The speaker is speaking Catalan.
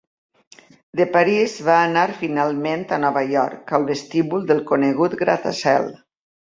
De París va anar finalment a Nova York al vestíbul del conegut gratacel.